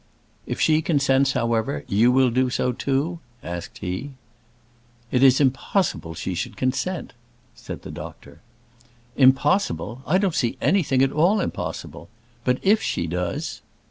"If she consents, however, you will do so too?" asked he. "It is impossible she should consent," said the doctor. "Impossible! I don't see anything at all impossible. But if she does?"